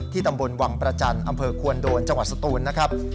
ตำบลวังประจันทร์อำเภอควนโดนจังหวัดสตูนนะครับ